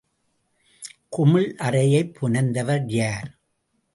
குமிழ் அறையைப் புனைந்தவர் யார்?